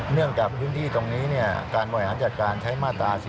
เนื่องกับพื้นที่ตรงนี้เนี่ยการบ่อยหาจัดการใช้มาตรา๔๔